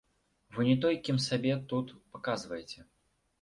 Вы не той, кім сябе тут паказваеце.